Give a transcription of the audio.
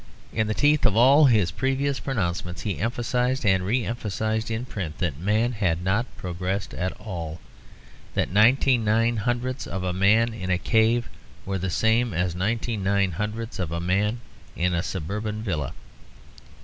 In the teeth of all his previous pronouncements he emphasised and re emphasised in print that man had not progressed at all; that ninety nine hundredths of a man in a cave were the same as ninety nine hundredths of a man in a suburban villa.